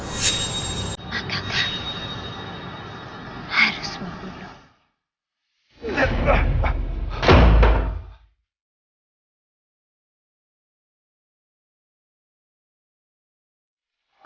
maka kamu harus membunuh